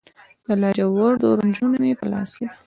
د لاجوردو رنجه نوني مې په لاس کې